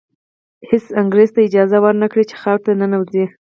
هېڅ انګریز ته اجازه ور نه کړي چې خاورې ته ننوځي.